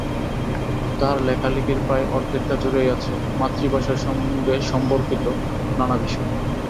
তাঁর লেখালেখির প্রায় অর্ধেকটা জুড়েই আছে মাতৃভাষার সঙ্গে সম্পর্কিত নানা বিষয়।